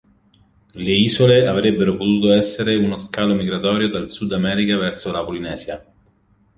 Le isole avrebbero potuto essere uno scalo migratorio dal Sud America verso la Polinesia.